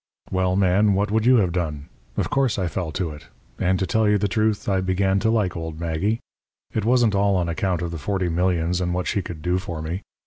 "Well, Man, what would you have done? Of course, I fell to it. And, to tell you the truth, I began to like old Maggie. It wasn't all on account of the forty millions and what she could do for me.